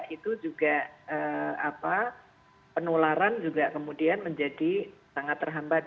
itu juga penularan juga kemudian menjadi sangat terhambat